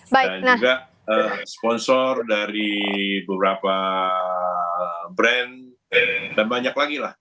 dan juga sponsor dari beberapa brand dan banyak lagi lah